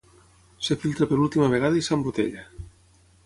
Es filtra per última vegada i s'embotella.